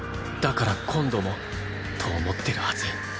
だから今度もと思ってるはず